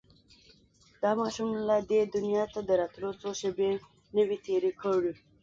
دا ماشوم لا دې دنيا ته د راتلو څو شېبې نه وې تېرې کړې.